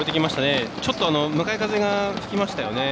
ちょっと、向かい風が吹きましたよね。